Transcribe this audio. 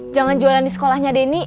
jangan jualan di sekolahnya denny